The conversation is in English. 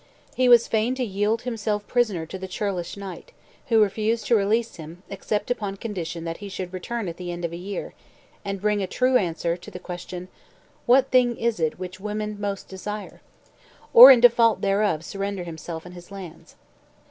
He was fain to yield himself prisoner to the churlish knight, who refused to release him except upon condition that he should return at the end of a year, and bring a true answer to the question, "What thing is it which women most desire?" or in default thereof surrender himself and his lands.